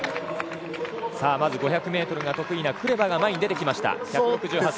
まず５００ｍが得意なクレバが前に出てきました。